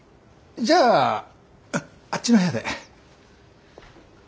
じゃああっちの部屋で。